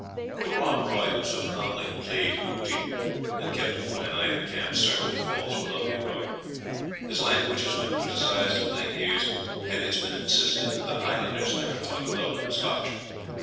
The Rob Roy who so calmly "played booty," and kept a foot in either camp, certainly falls below the heroic. His language has been criticised in late years, and it has been insisted that the Highlanders never talked Lowland Scotch.